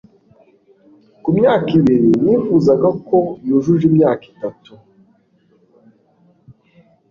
ku myaka ibiri, nifuzaga ko yujuje imyaka itatu